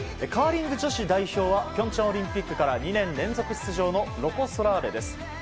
カーリング女子代表は平昌オリンピックから２年連続出場のロコ・ソラーレです。